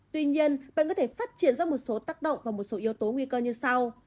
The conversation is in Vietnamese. tuy nhiên bệnh có thể phát triển ra một số tác động và một số yếu tố nguy cơ như sau